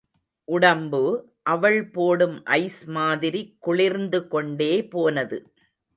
உடம்பு, அவள் போடும் ஐஸ் மாதிரி குளிர்ந்து கொண்டே போனது.